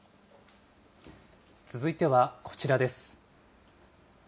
続いてはこちらです。